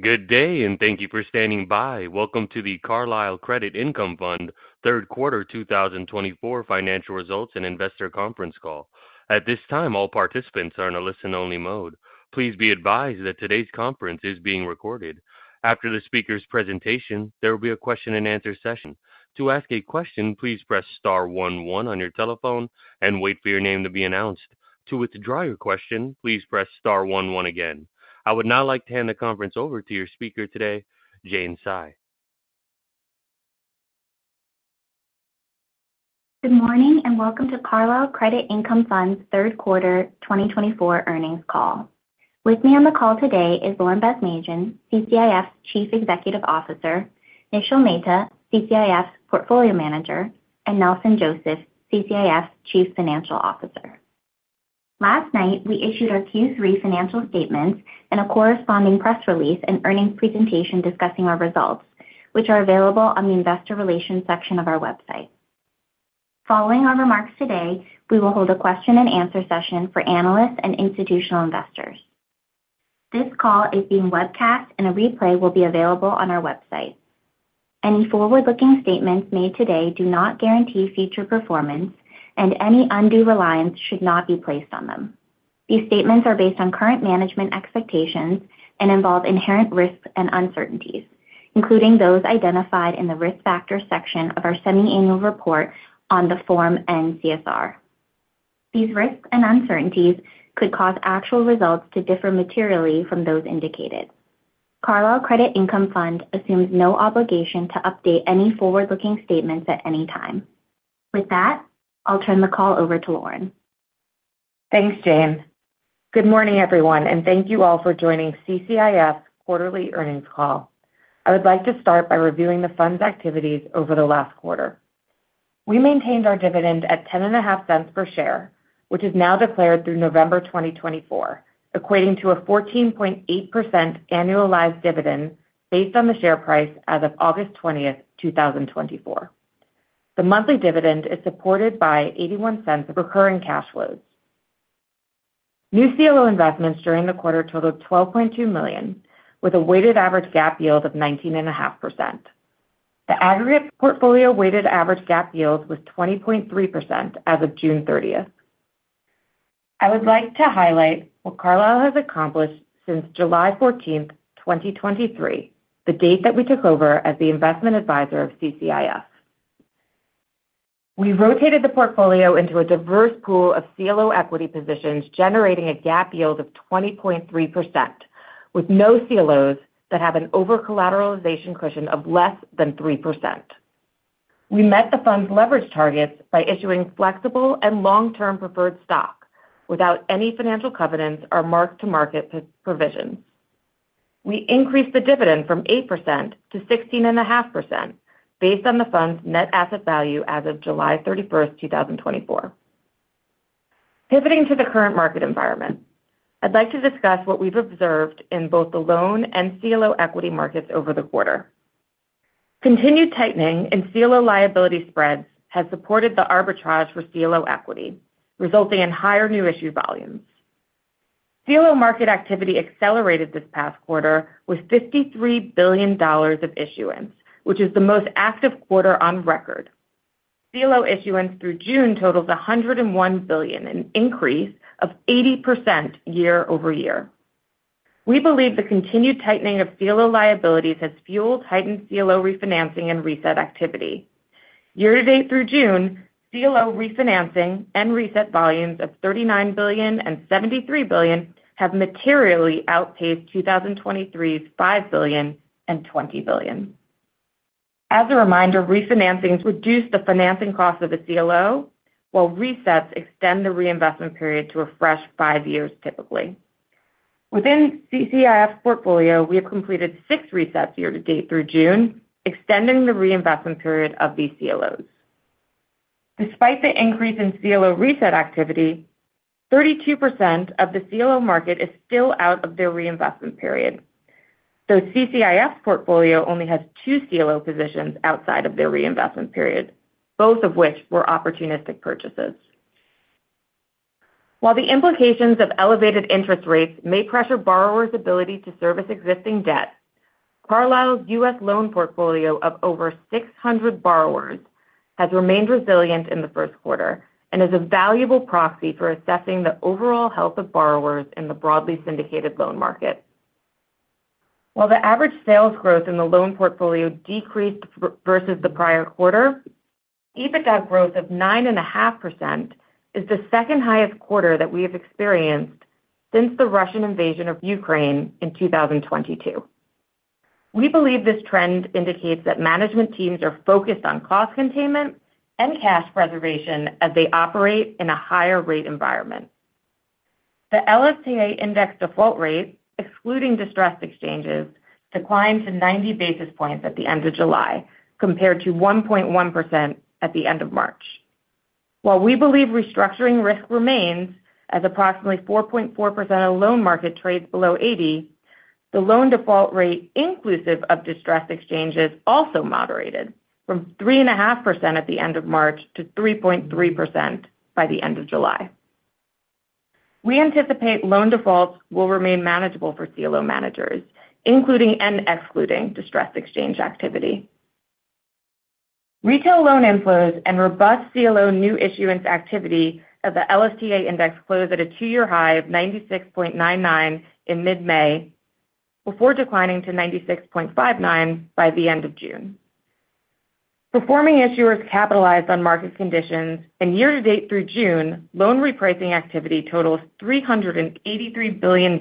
Good day, and thank you for standing by. Welcome to the Carlyle Credit Income Fund third quarter 2024 financial results and investor conference call. At this time, all participants are in a listen-only mode. Please be advised that today's conference is being recorded. After the speaker's presentation, there will be a question-and-answer session. To ask a question, please press star one one on your telephone and wait for your name to be announced. To withdraw your question, please press star one one again. I would now like to hand the conference over to your speaker today, Jane Cai. Good morning, and welcome to Carlyle Credit Income Fund's third quarter 2024 earnings call. With me on the call today is Lauren Basmadjian, CCIF's Chief Executive Officer, Nishil Mehta, CCIF's Portfolio Manager, and Nelson Joseph, CCIF's Chief Financial Officer. Last night, we issued our Q3 financial statements and a corresponding press release and earnings presentation discussing our results, which are available on the investor relations section of our website. Following our remarks today, we will hold a question-and-answer session for analysts and institutional investors. This call is being webcast, and a replay will be available on our website. Any forward-looking statements made today do not guarantee future performance, and any undue reliance should not be placed on them. These statements are based on current management expectations and involve inherent risks and uncertainties, including those identified in the Risk Factors section of our semi-annual report on Form N-CSR. These risks and uncertainties could cause actual results to differ materially from those indicated. Carlyle Credit Income Fund assumes no obligation to update any forward-looking statements at any time. With that, I'll turn the call over to Lauren. Thanks, Jane. Good morning, everyone, and thank you all for joining CCIF's quarterly earnings call. I would like to start by reviewing the fund's activities over the last quarter. We maintained our dividend at $0.105 per share, which is now declared through November 2024, equating to a 14.8% annualized dividend based on the share price as of August 20th, 2024. The monthly dividend is supported by $0.81 of recurring cash flows. New CLO investments during the quarter totaled $12.2 million, with a weighted average GAAP yield of 19.5%. The aggregate portfolio weighted average GAAP yield was 20.3% as of June 30. I would like to highlight what Carlyle has accomplished since July 14th, 2023, the date that we took over as the investment advisor of CCIF. We rotated the portfolio into a diverse pool of CLO equity positions, generating a GAAP yield of 20.3%, with no CLOs that have an overcollateralization cushion of less than 3%. We met the fund's leverage targets by issuing flexible and long-term preferred stock without any financial covenants or mark-to-market provisions. We increased the dividend from 8% to 16.5%, based on the fund's net asset value as of July 31st, 2024. Pivoting to the current market environment, I'd like to discuss what we've observed in both the loan and CLO equity markets over the quarter. Continued tightening in CLO liability spreads has supported the arbitrage for CLO equity, resulting in higher new issue volumes. CLO market activity accelerated this past quarter with $53 billion of issuance, which is the most active quarter on record. CLO issuance through June totals $101 billion, an increase of 80% year-over-year. We believe the continued tightening of CLO liabilities has fueled heightened CLO refinancing and reset activity. Year-to-date through June, CLO refinancing and reset volumes of $39 billion and $73 billion have materially outpaced 2023's $5 billion and $20 billion. As a reminder, refinancings reduce the financing cost of a CLO, while resets extend the reinvestment period to a fresh five years, typically. Within CCIF's portfolio, we have completed six resets year to date through June, extending the reinvestment period of these CLOs. Despite the increase in CLO reset activity, 32% of the CLO market is still out of their reinvestment period, so CCIF's portfolio only has two CLO positions outside of their reinvestment period, both of which were opportunistic purchases. While the implications of elevated interest rates may pressure borrowers' ability to service existing debt, Carlyle's U.S. loan portfolio of over six hundred borrowers has remained resilient in the first quarter and is a valuable proxy for assessing the overall health of borrowers in the broadly syndicated loan market. While the average sales growth in the loan portfolio decreased year-over-year versus the prior quarter, EBITDA growth of 9.5% is the second highest quarter that we have experienced since the Russian invasion of Ukraine in 2022. We believe this trend indicates that management teams are focused on cost containment and cash preservation as they operate in a higher rate environment. The LSTA Index default rate, excluding distressed exchanges, declined to 90 basis points at the end of July, compared to 1.1% at the end of March. While we believe restructuring risk remains at approximately 4.4% of loan market trades below 80, the loan default rate, inclusive of distressed exchanges, also moderated from 3.5% at the end of March to 3.3% by the end of July. We anticipate loan defaults will remain manageable for CLO managers, including and excluding distressed exchange activity. Retail loan inflows and robust CLO new issuance activity of the LSTA Index closed at a two-year high of 96.99 in mid-May, before declining to 96.59 by the end of June. Performing issuers capitalized on market conditions, and year-to-date through June, loan repricing activity totals $383 billion,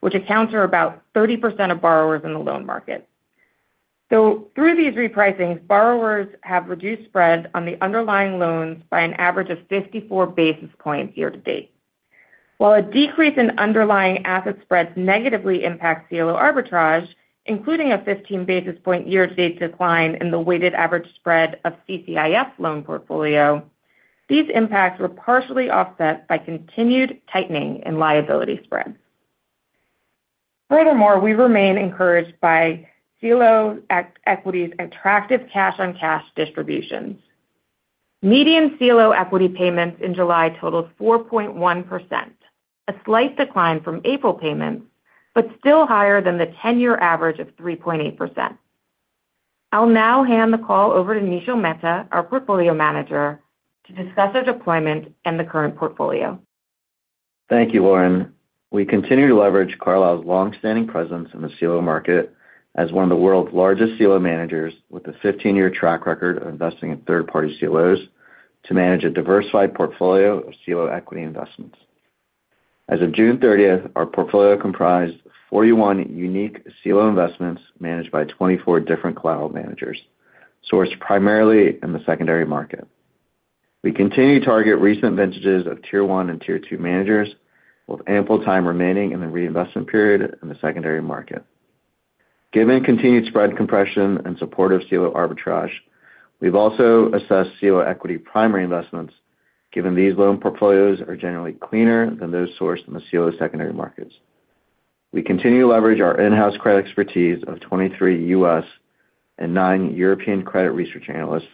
which accounts for about 30% of borrowers in the loan market. Through these repricings, borrowers have reduced spreads on the underlying loans by an average of fifty-four basis points year-to-date. While a decrease in underlying asset spreads negatively impacts CLO arbitrage, including a fifteen basis point year-to-date decline in the weighted average spread of CCIF's loan portfolio, these impacts were partially offset by continued tightening in liability spreads. Furthermore, we remain encouraged by CLO equity's attractive cash-on-cash distributions. Median CLO equity payments in July totaled 4.1%, a slight decline from April payments, but still higher than the ten-year average of 3.8%. I'll now hand the call over to Nishil Mehta, our portfolio manager, to discuss our deployment and the current portfolio. Thank you, Lauren. We continue to leverage Carlyle's long-standing presence in the CLO market as one of the world's largest CLO managers, with a fifteen-year track record of investing in third-party CLOs, to manage a diversified portfolio of CLO equity investments. As of June 30th, our portfolio comprised 41 unique CLO investments managed by 24 different collateral managers, sourced primarily in the secondary market. We continue to target recent vintages of Tier 1 and Tier 2 managers, with ample time remaining in the reinvestment period in the secondary market. Given continued spread compression and supportive CLO arbitrage, we've also assessed CLO equity primary investments, given these loan portfolios are generally cleaner than those sourced in the CLO secondary markets. We continue to leverage our in-house credit expertise of 23 U.S. and nine European credit research analysts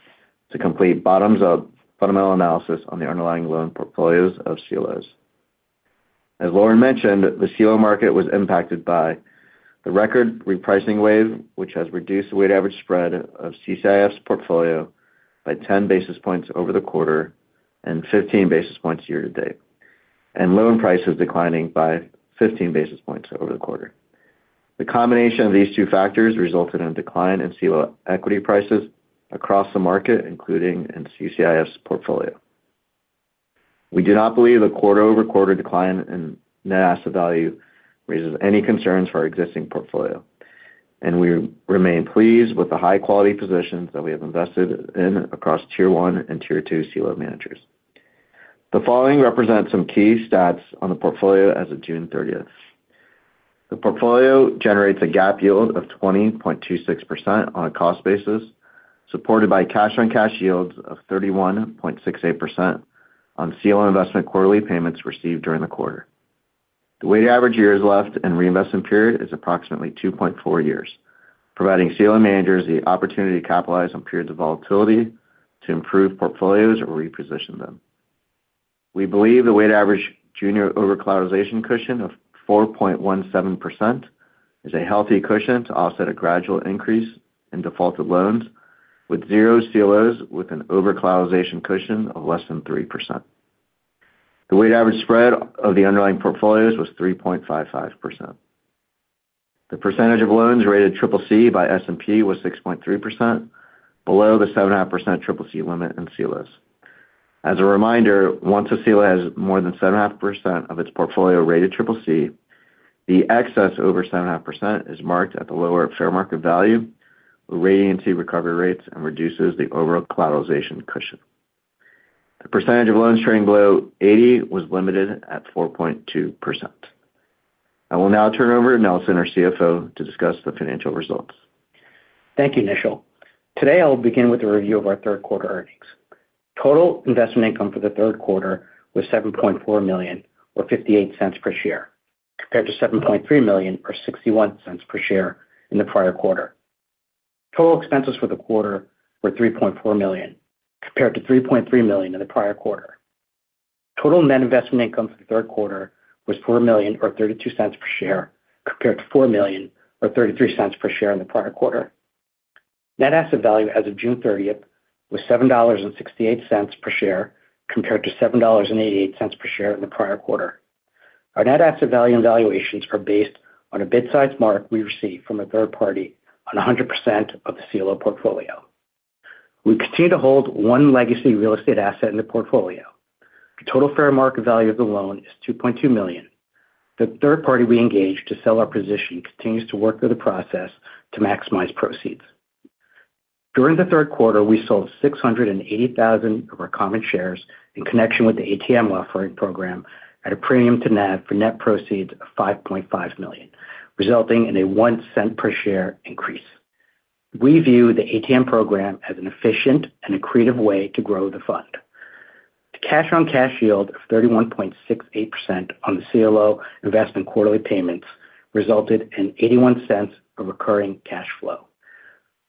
to complete bottoms-up fundamental analysis on the underlying loan portfolios of CLOs. As Lauren mentioned, the CLO market was impacted by the record repricing wave, which has reduced the weighted average spread of CCIF's portfolio by ten basis points over the quarter and fifteen basis points year-to-date, and loan prices declining by fifteen basis points over the quarter. The combination of these two factors resulted in a decline in CLO equity prices across the market, including in CCIF's portfolio. We do not believe the quarter-over-quarter decline in net asset value raises any concerns for our existing portfolio, and we remain pleased with the high-quality positions that we have invested in across Tier 1 and Tier 2 CLO managers. The following represents some key stats on the portfolio as of June thirtieth. The portfolio generates a GAAP yield of 20.26% on a cost basis, supported by cash-on-cash yields of 31.68% on CLO investment quarterly payments received during the quarter. The weighted average years left in reinvestment period is approximately 2.4 years, providing CLO managers the opportunity to capitalize on periods of volatility to improve portfolios or reposition them. We believe the weighted average junior overcollateralization cushion of 4.17% is a healthy cushion to offset a gradual increase in defaulted loans, with zero CLOs with an overcollateralization cushion of less than 3%. The weighted average spread of the underlying portfolios was 3.55%. The percentage of loans rated CCC by S&P was 6.3%, below the 7.5% CCC limit in CLOs. As a reminder, once a CLO has more than 7.5% of its portfolio rated CCC, the excess over 7.5% is marked at the lower fair market value, rating to recovery rates, and reduces the overall collateralization cushion. The percentage of loans trading below 80 was limited at 4.2%. I will now turn over to Nelson, our CFO, to discuss the financial results. Thank you, Nishil. Today, I'll begin with a review of our third quarter earnings. Total investment income for the third quarter was $7.4 million, or $0.58 per share, compared to $7.3 million or $0.61 per share in the prior quarter. Total expenses for the quarter were $3.4 million, compared to $3.3 million in the prior quarter. Total net investment income for the third quarter was $4 million or $0.32 per share, compared to $4 million or $0.33 per share in the prior quarter. Net asset value as of June 30th was $7.68 per share, compared to $7.88 per share in the prior quarter. Our net asset value and valuations are based on a bid-side mark we received from a third party on 100% of the CLO portfolio. We continue to hold one legacy real estate asset in the portfolio. The total fair market value of the loan is $2.2 million. The third party we engaged to sell our position continues to work through the process to maximize proceeds. During the third quarter, we sold 680,000 of our common shares in connection with the ATM offering program at a premium to NAV for net proceeds of $5.5 million, resulting in a $0.01 per share increase. We view the ATM program as an efficient and accretive way to grow the fund. The cash-on-cash yield of 31.68% on the CLO investment quarterly payments resulted in $0.81 of recurring cash flow.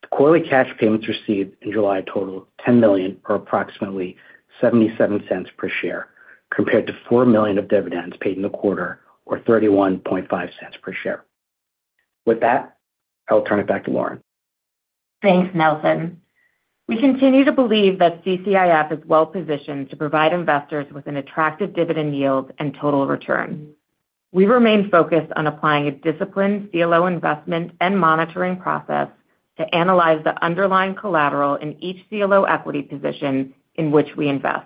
The quarterly cash payments received in July totaled $10 million, or approximately $0.77 per share, compared to $4 million of dividends paid in the quarter, or $0.315 per share. With that, I'll turn it back to Lauren. Thanks, Nelson. We continue to believe that CCIF is well positioned to provide investors with an attractive dividend yield and total return. We remain focused on applying a disciplined CLO investment and monitoring process to analyze the underlying collateral in each CLO equity position in which we invest.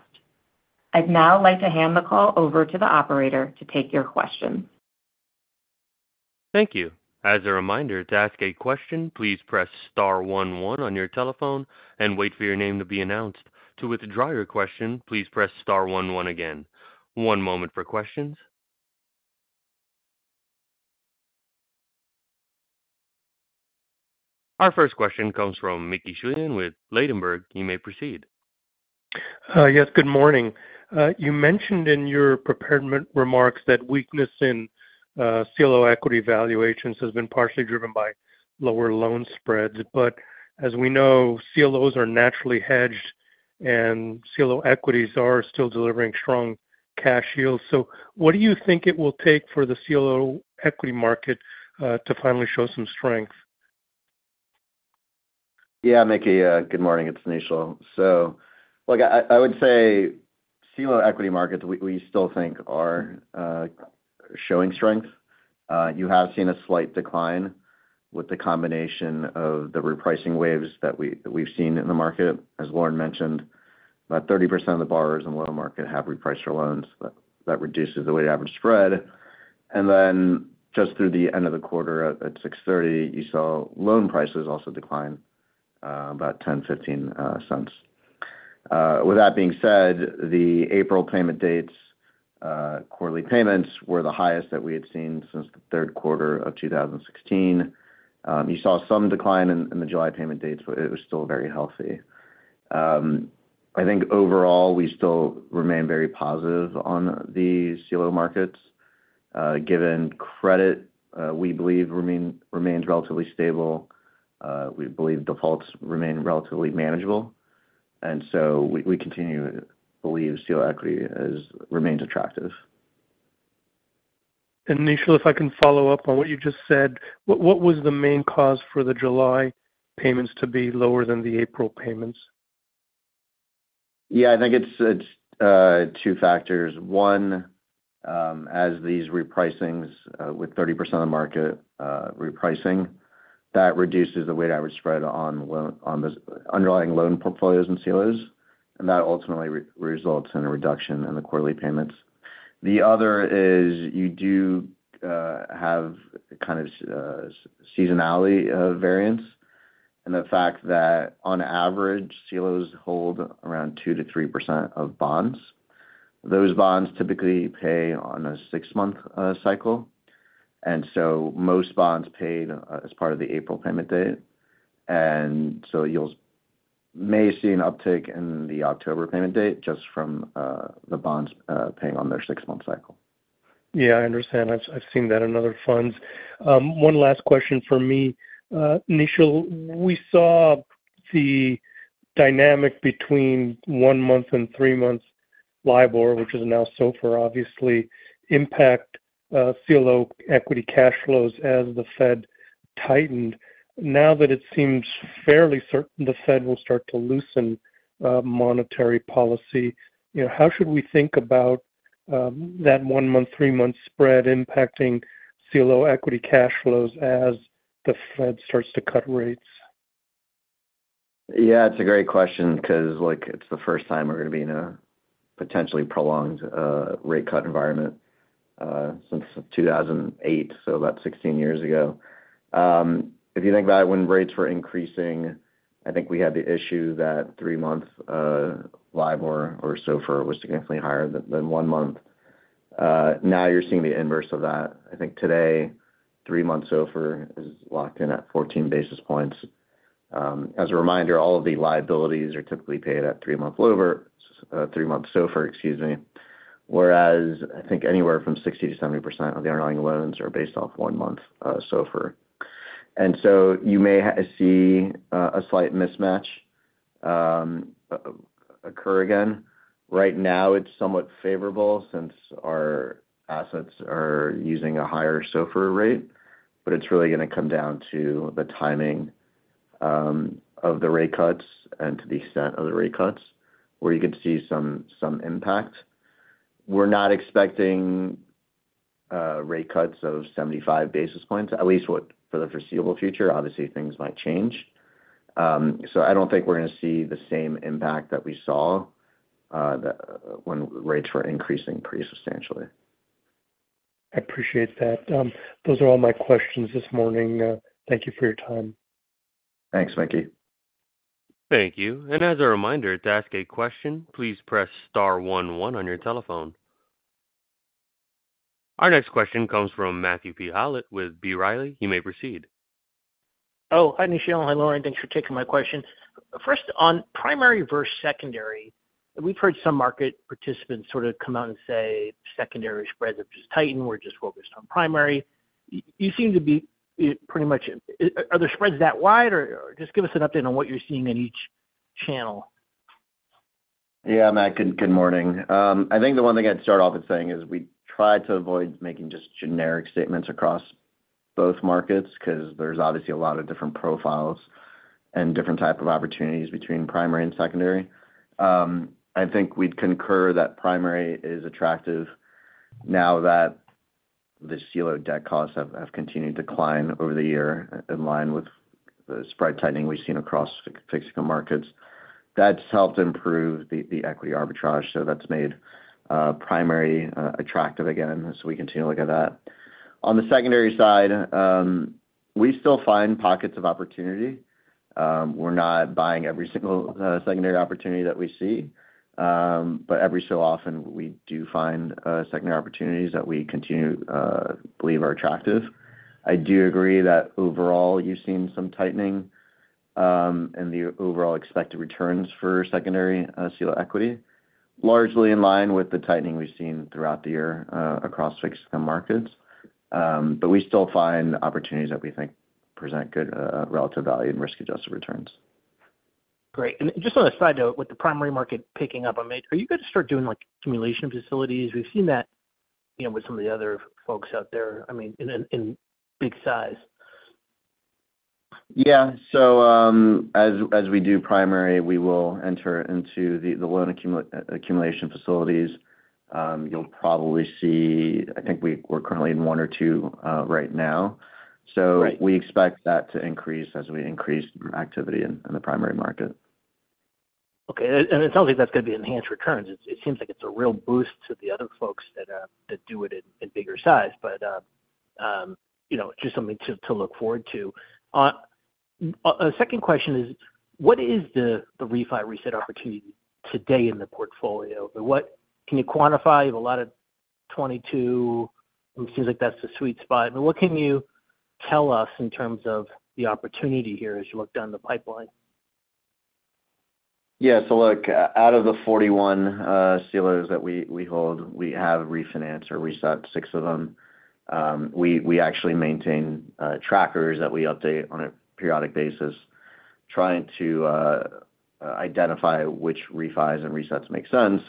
I'd now like to hand the call over to the operator to take your questions. Thank you. As a reminder, to ask a question, please press star one one on your telephone and wait for your name to be announced. To withdraw your question, please press star one one again. One moment for questions. Our first question comes from Mickey Schleien with Ladenburg. You may proceed. Yes, good morning. You mentioned in your prepared remarks that weakness in CLO equity valuations has been partially driven by lower loan spreads. But as we know, CLOs are naturally hedged, and CLO equities are still delivering strong cash yields. So what do you think it will take for the CLO equity market to finally show some strength? Yeah, Mickey, good morning. It's Nishil. So, look, I would say CLO equity markets we still think are showing strength. You have seen a slight decline with the combination of the repricing waves that we've seen in the market. As Lauren mentioned, about 30% of the borrowers in the loan market have repriced their loans, but that reduces the weighted average spread. And then just through the end of the quarter, at 6/30, you saw loan prices also decline about $0.10-$0.15. With that being said, the April payment dates quarterly payments were the highest that we had seen since the third quarter of 2016. You saw some decline in the July payment dates, but it was still very healthy. I think overall, we still remain very positive on the CLO markets, given credit, we believe remains relatively stable. We believe defaults remain relatively manageable, and so we continue to believe CLO equity remains attractive. Nishil, if I can follow up on what you just said, what, what was the main cause for the July payments to be lower than the April payments? Yeah, I think it's two factors. One, as these repricings with 30% of the market repricing, that reduces the weighted average spread on loans, on this underlying loan portfolios and CLOs, and that ultimately results in a reduction in the quarterly payments. The other is you do have kind of seasonality variance, and the fact that on average, CLOs hold around 2%-3% of bonds. Those bonds typically pay on a six-month cycle, and so most bonds paid as part of the April payment date. And so you may see an uptick in the October payment date, just from the bonds paying on their six-month cycle. Yeah, I understand. I've seen that in other funds. One last question for me. Nishil, we saw the dynamic between one-month and three-month LIBOR, which is now SOFR, obviously, impact CLO equity cash flows as the Fed tightened. Now that it seems fairly certain the Fed will start to loosen monetary policy, you know, how should we think about that one month, three-month spread impacting CLO equity cash flows as the Fed starts to cut rates? Yeah, it's a great question, 'cause, like, it's the first time we're gonna be in a potentially prolonged rate cut environment since 2008, so about 16 years ago. If you think about it, when rates were increasing, I think we had the issue that three-month LIBOR or SOFR was significantly higher than one month. Now you're seeing the inverse of that. I think today, three-month SOFR is locked in at fourteen basis points. As a reminder, all of the liabilities are typically paid at three-month LIBOR, three-month SOFR, excuse me, whereas I think anywhere from 60%-70% of the underlying loans are based off one month SOFR. And so you may see a slight mismatch occur again. Right now it's somewhat favorable since our assets are using a higher SOFR rate, but it's really gonna come down to the timing of the rate cuts and to the extent of the rate cuts, where you could see some impact. We're not expecting rate cuts of seventy-five basis points, at least for the foreseeable future. Obviously, things might change. So I don't think we're gonna see the same impact that we saw when rates were increasing pretty substantially. I appreciate that. Those are all my questions this morning. Thank you for your time. Thanks, Mickey. Thank you. And as a reminder, to ask a question, please press star one one on your telephone. Our next question comes from Matthew Howlett with B. Riley. You may proceed. Oh, hi, Nishil. Hi, Lauren. Thanks for taking my question. First, on primary versus secondary. We've heard some market participants sort of come out and say secondary spreads have just tightened, we're just focused on primary. You seem to be pretty much— Are the spreads that wide? Or just give us an update on what you're seeing in each channel. Yeah, Matt, good morning. I think the one thing I'd start off with saying is we try to avoid making just generic statements across both markets, 'cause there's obviously a lot of different profiles and different type of opportunities between primary and secondary. I think we'd concur that primary is attractive now that the CLO debt costs have continued to decline over the year, in line with the spread tightening we've seen across fixed income markets. That's helped improve the equity arbitrage, so that's made primary attractive again, as we continue to look at that. On the secondary side, we still find pockets of opportunity. We're not buying every single secondary opportunity that we see. But every so often, we do find secondary opportunities that we continue to believe are attractive. I do agree that overall you've seen some tightening in the overall expected returns for secondary CLO equity, largely in line with the tightening we've seen throughout the year across fixed income markets, but we still find opportunities that we think present good relative value and risk-adjusted returns. Great. And just on a side note, with the primary market picking up, I mean, are you going to start doing, like, accumulation facilities? We've seen that, you know, with some of the other folks out there, I mean, in big size. Yeah. So, as we do primary, we will enter into the loan accumulation facilities. You'll probably see... I think we're currently in one or two, right now. Right. So we expect that to increase as we increase activity in the primary market. Okay. And it sounds like that's going to be enhanced returns. It seems like it's a real boost to the other folks that do it in bigger size. But you know, just something to look forward to. A second question is: What is the refi reset opportunity today in the portfolio? Can you quantify? You have a lot of 2022, it seems like that's the sweet spot. But what can you tell us in terms of the opportunity here as you look down the pipeline? Yeah, so look, out of the 41 CLOs that we hold, we have refinance or reset six of them. We actually maintain trackers that we update on a periodic basis, trying to identify which refis and resets make sense,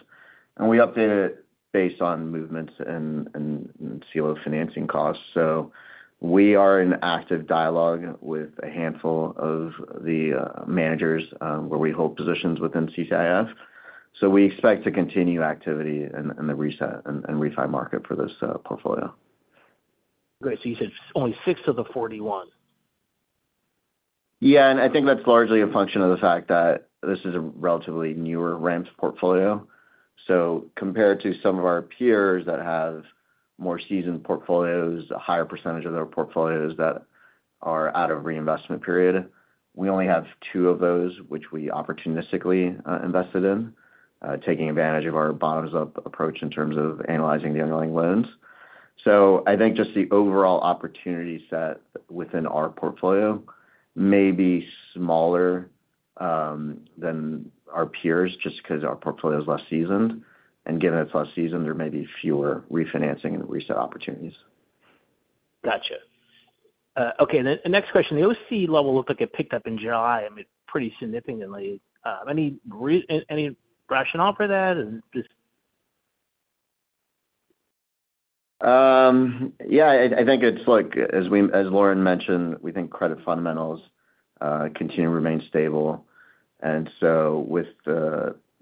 and we update it based on movements and CLO financing costs. So we are in active dialogue with a handful of the managers, where we hold positions within CCIF. So we expect to continue activity in the reset and refi market for this portfolio. Great. So you said only six of the 41? Yeah, and I think that's largely a function of the fact that this is a relatively newer ramped portfolio, so compared to some of our peers that have more seasoned portfolios, a higher percentage of their portfolios that are out of reinvestment period, we only have two of those, which we opportunistically invested in, taking advantage of our bottoms-up approach in terms of analyzing the underlying loans, so I think just the overall opportunity set within our portfolio may be smaller than our peers, just 'cause our portfolio is less seasoned, and given it's less seasoned, there may be fewer refinancing and reset opportunities. Gotcha. Okay, then the next question: The OC level looked like it picked up in July, I mean, pretty significantly. Any rationale for that? And just- Yeah, I think it's like, as we, as Lauren mentioned, we think credit fundamentals continue to remain stable. And so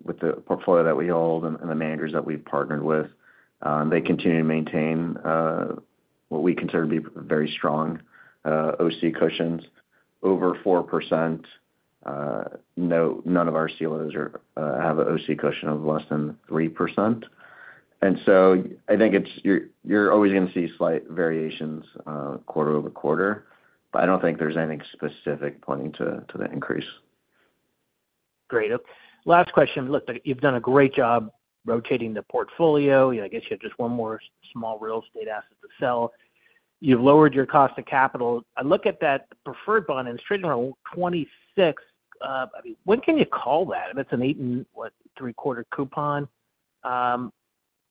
with the portfolio that we hold and the managers that we've partnered with, they continue to maintain what we consider to be very strong OC cushions, over 4%. None of our CLOs have a OC cushion of less than 3%. And so I think it's... You're always gonna see slight variations quarter over quarter, but I don't think there's anything specific pointing to the increase. Great. Last question. Look, like, you've done a great job rotating the portfolio. You know, I guess you have just one more small real estate asset to sell. You've lowered your cost of capital. I look at that preferred bond, and it's trading around $26. I mean, when can you call that? If it's an eight and three-quarter coupon,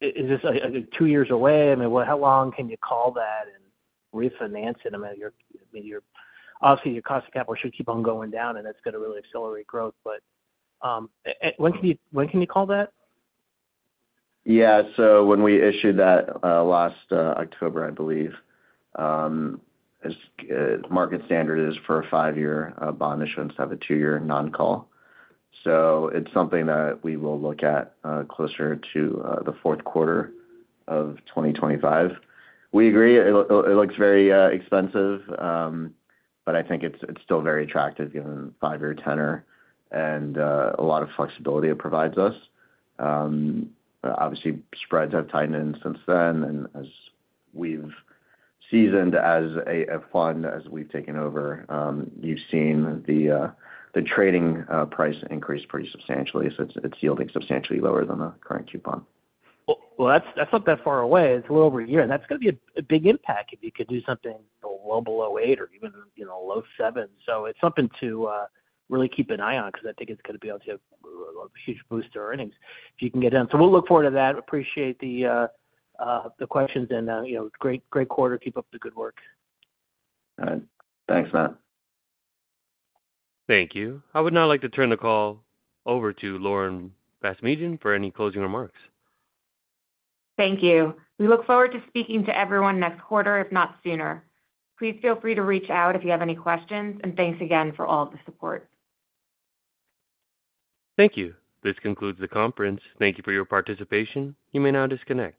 is this two years away? I mean, how long can you call that and refinance it? I mean, obviously, your cost of capital should keep on going down, and that's gonna really accelerate growth. But when can you call that? Yeah. So when we issued that last October, I believe, as market standard is for a five-year bond issuance, have a two-year non-call. So it's something that we will look at closer to the fourth quarter of 2025. We agree, it looks very expensive, but I think it's still very attractive, given the five-year tenor and a lot of flexibility it provides us. Obviously, spreads have tightened since then, and as we've seasoned as a fund, as we've taken over, you've seen the trading price increase pretty substantially, so it's yielding substantially lower than the current coupon. Well, that's not that far away. It's a little over a year, and that's gonna be a big impact if you could do something, you know, well below eight or even, you know, low sevens. So it's something to really keep an eye on, 'cause I think it's gonna be able to have a huge boost to earnings if you can get it done. So we'll look forward to that. Appreciate the questions and, you know, great quarter. Keep up the good work. All right. Thanks, Matt. Thank you. I would now like to turn the call over to Lauren Basmadjian for any closing remarks. Thank you. We look forward to speaking to everyone next quarter, if not sooner. Please feel free to reach out if you have any questions, and thanks again for all of the support. Thank you. This concludes the conference. Thank you for your participation. You may now disconnect.